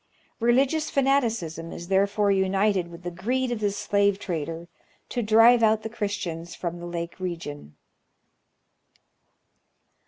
Religious fanaticism is therefore united with the greed of the slave trader to drive out the Christians from the lake region.